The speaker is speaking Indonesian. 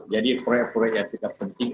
jadi proyek proyek yang tidak penting